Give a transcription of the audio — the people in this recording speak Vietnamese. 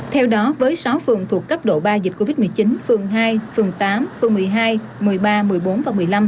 theo đó với sáu phương thuộc cấp độ ba dịch covid một mươi chín phương hai phương tám phương một mươi hai một mươi ba một mươi bốn và một mươi năm